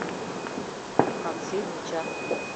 Макси вуча.